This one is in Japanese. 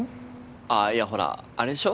あっいやほらあれでしょ？